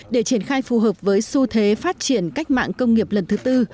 để triển khai phù hợp với xu thế phát triển cách mạng công nghiệp lần thứ tư